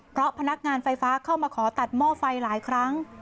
เพราะพนักงานไฟฟ้าเข้ามาขอตัดหม้อไฟหลายครั้ง